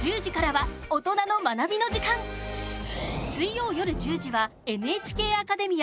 水曜、夜１０時は「ＮＨＫアカデミア」。